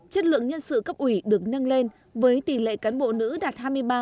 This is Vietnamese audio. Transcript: chất lượng nhân sự cấp ủy được nâng lên với tỷ lệ cán bộ nữ đạt hai mươi ba ba